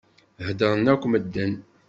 Heddṛen akk medden.